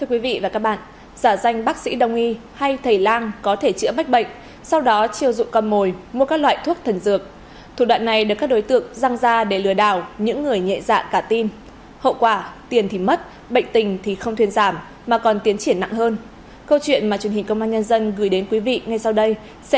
điện mà truyền hình công an nhân dân gửi đến quý vị ngay sau đây sẽ là hồi trường cảnh tình về tình trạng lừa đảo nước bóng thần y